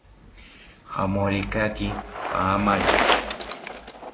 Jamorekaki paamari